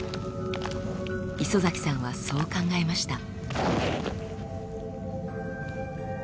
磯崎さんはそう考えました。